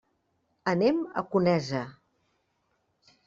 Anem a Conesa.